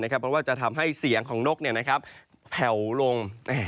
เพราะว่าจะทำให้เสียงของนกแผ่วลง